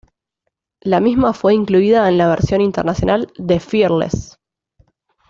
La misma fue incluida en la versión internacional de "Fearless".